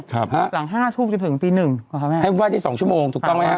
ครับหลังห้าทุ่มจนถึงปีหนึ่งเขาทำไงให้มันว่ายได้สองชั่วโมงถูกต้องไหมฮะ